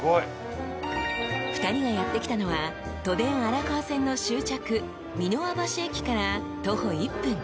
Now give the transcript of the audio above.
［２人がやって来たのは都電荒川線の終着三ノ輪橋駅から徒歩１分